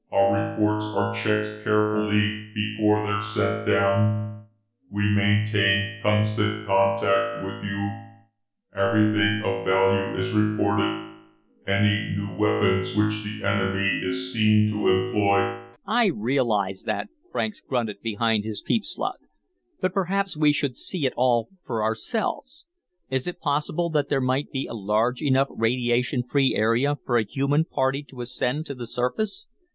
Our reports are checked carefully before they're sent down. We maintain constant contact with you; everything of value is reported. Any new weapons which the enemy is seen to employ " "I realize that," Franks grunted behind his peep slot. "But perhaps we should see it all for ourselves. Is it possible that there might be a large enough radiation free area for a human party to ascend to the surface?